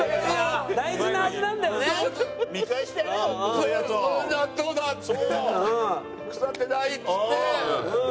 これ納豆だっつって腐ってないっつって。